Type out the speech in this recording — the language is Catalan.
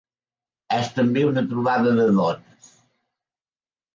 És també una trobada de dones.